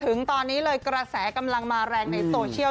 ถึงตอนนี้เลยกระแสกำลังมาแรงในโซเชียล